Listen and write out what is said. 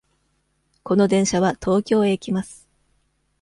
この電車は東京へ行きます。